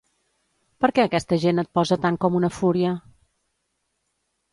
Per què aquesta gent et posa tant com una fúria?